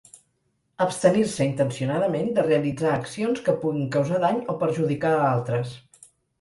Abstenir-se intencionadament de realitzar accions que puguin causar dany o perjudicar a altres.